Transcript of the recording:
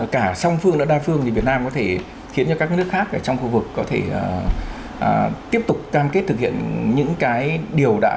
cả song phương đó đa phương việt nam có thể khiến cho các nước khác ở trong khu vực có thể tiếp tục cam kết thực hiện những cái điều đáng chú ý